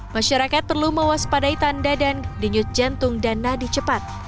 masyarakat perlu mewaspadai tanda dan denyut jantung dan nadi cepat